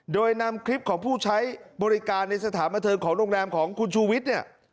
โดยนำคลิปของผู้ใช้บริการในสถานบันเทิงของโรงแรมของคุณชูวิทย์เนี่ย